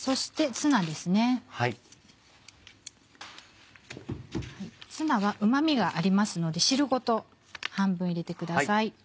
ツナはうま味がありますので汁ごと半分入れてください。